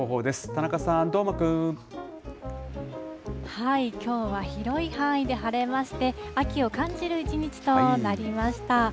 田中さん、きょうは広い範囲で晴れまして、秋を感じる一日となりました。